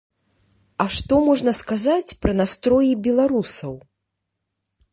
А што можна сказаць пра настроі беларусаў?